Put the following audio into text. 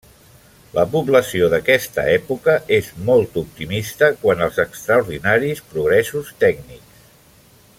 La població d'aquesta època és molt optimista quant als extraordinaris progressos tècnics.